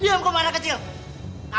diam komanda kecil